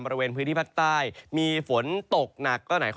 บริเวณพื้นที่ภาคใต้มีฝนตกหนักก็